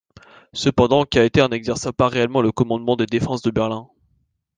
Cependant, Kaether n'exerça pas réellement le commandement des défenses de Berlin.